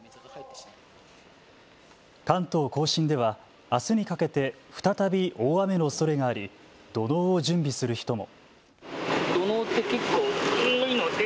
関東甲信ではあすにかけて再び大雨のおそれがあり土のうを準備する人も。